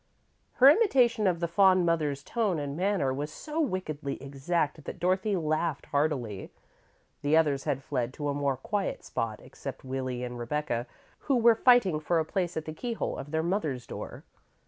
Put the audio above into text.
'" Her imitation of the fond mother's tone and manner was so wickedly exact that Dorothy laughed heartily. The others had fled to a more quiet spot, except Willie and Rebecca, who were fighting for a place at the keyhole of their mother's door.